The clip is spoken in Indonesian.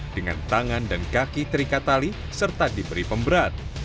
dengan tangan dan kaki terikat tali serta diberi pemberat